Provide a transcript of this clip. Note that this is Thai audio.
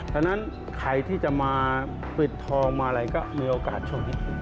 ดังนั้นใครที่จะมาปิดทองมาอะไรก็มีโอกาสช่วงนี้